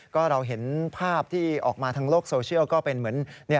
ก็เราเห็นภาพที่ออกมาทางโลกโซเชียลก็เป็นเหมือน